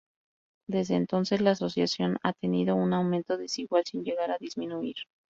Desde entonces, la asociación ha tenido un aumento desigual sin llegar a disminuir.